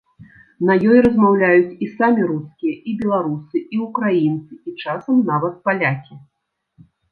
На ёй размаўляюць і самі рускія, і беларусы, і ўкраінцы, і часам нават палякі.